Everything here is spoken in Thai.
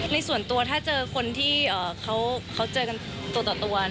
ในส่วนตัวถ้าเจอคนที่เขาเจอกันตัวต่อตัว